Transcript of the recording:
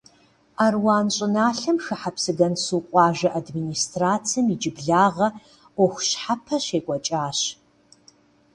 Аруан щӀыналъэм хыхьэ Псыгуэнсу къуажэ администрацэм иджыблагъэ Ӏуэху щхьэпэ щекӀуэкӀащ.